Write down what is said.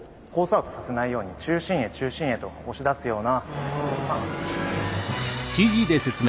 アウトさせないように中心へ中心へと押し出すような。